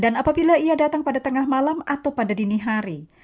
dan apabila ia datang pada tengah malam atau pada dini hari